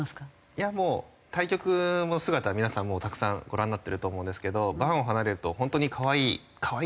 いや対局の姿は皆さんもうたくさんご覧になっていると思うんですけど盤を離れると本当にかわいいかわいいなって感じの。